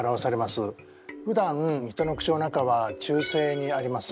ふだん人の口の中は中性にあります。